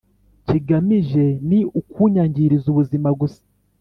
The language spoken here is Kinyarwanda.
kigamije ni ukunyangiriza ubuzima gusa”